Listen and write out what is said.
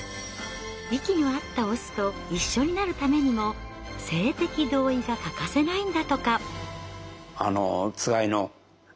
息の合ったオスと一緒になるためにも性的同意が欠かせないんだとか。